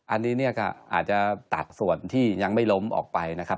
อันนี้เนี่ยก็อาจจะตัดส่วนที่ยังไม่ล้มออกไปนะครับ